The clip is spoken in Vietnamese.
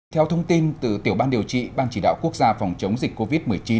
theo thông tin từ tiểu ban điều trị ban chỉ đạo quốc gia phòng chống dịch covid một mươi chín